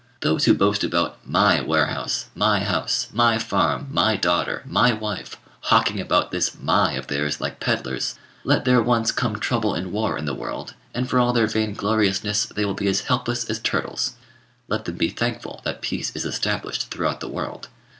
Those who boast about my warehouse, my house, my farm, my daughter, my wife, hawking about this "my" of theirs like pedlers, let there once come trouble and war in the world, and, for all their vain gloriousness, they will be as helpless as turtles. Let them be thankful that peace is established throughout the world.